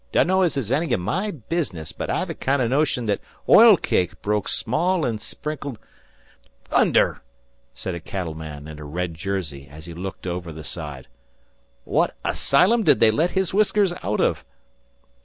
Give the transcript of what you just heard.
Dunno as it's any o' my business, but I've a kind o' notion that oil cake broke small an' sprinkled " "Thunder!" said a cattle man in a red jersey as he looked over the side. "What asylum did they let His Whiskers out of?"